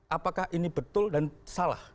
apakah ini betul dan salah